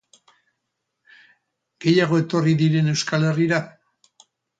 Gehiago etorri diren Euskal Herrira?